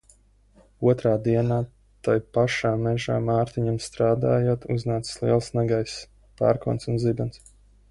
Otrā dienā tai pašā mežā, Mārtiņam strādājot uznācis liels negaiss – pērkons un zibens.